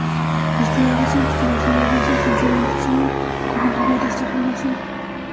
Posteriores investigaciones de estos "incidentes" han corroborado esta afirmación.